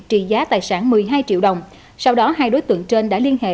trị giá tài sản một mươi hai triệu đồng sau đó hai đối tượng trên đã liên hệ